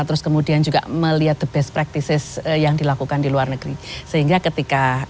terus kemudian juga melihat the best practices yang dilakukan di luar negeri sehingga ketika